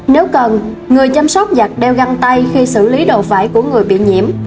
nếu cần người chăm sóc giặt đeo găng tay khi xử lý đồ vải của người bị nhiễm